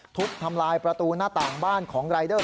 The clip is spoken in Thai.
ทุบทำลายประตูหน้าต่างบ้านของรายเดอร์